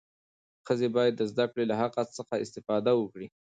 ښځې باید د زدهکړې له حق څخه استفاده وکړي.